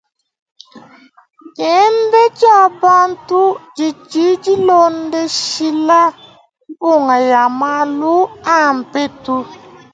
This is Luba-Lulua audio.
Dienda dia bantu didi dilondeshila mpunga ya malu a mpetu.